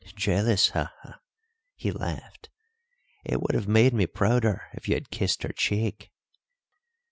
"Jealous ha, ha!" he laughed. "It would have made me prouder if you had kissed her cheek."